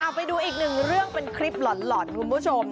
ไปดูอีกหนึ่งเรื่องเป็นคลิปหล่อนคุณผู้ชม